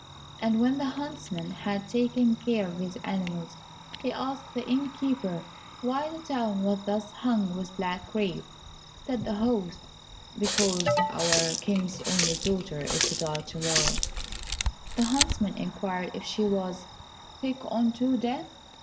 And when the huntsman had taken care of his animals, he asked the innkeeper why the town was thus hung with black crape? Said the host, "Because our King's only daughter is to die to morrow." The huntsman inquired if she was "sick unto death?"